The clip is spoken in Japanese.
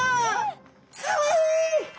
かわいい！